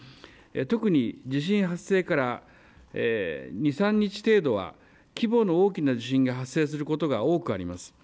特に地震発生から２、３日程度は規模の大きな地震が発生することが多くあります。